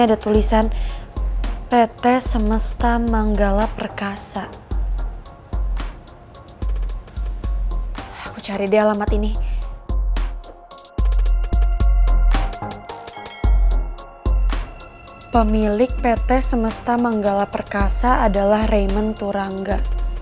pemilik pt semesta manggala perkasa adalah raymond turanga